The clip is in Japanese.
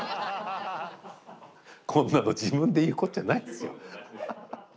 こんなの自分で言うこっちゃないですよ。